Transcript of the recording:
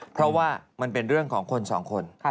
เพราะว่ามันเป็นเรื่องของคนสองคน